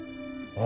あ